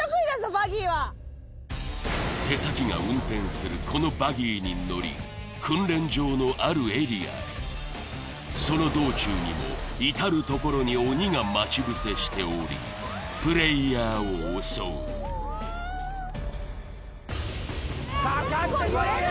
バギーは手先が運転するこのバギーに乗り訓練場のあるエリアへその道中にも至る所に鬼が待ち伏せしておりプレイヤーを襲うかかってこいや！